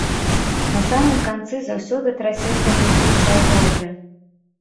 На самым канцы заўсёды трасецца бліскучая кропля.